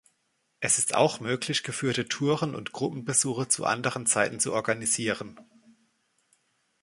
Es ist auch möglich, geführte Touren und Gruppenbesuche zu anderen Zeiten zu organisieren.